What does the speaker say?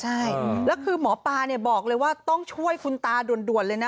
ใช่แล้วคือหมอปลาบอกเลยว่าต้องช่วยคุณตาด่วนเลยนะ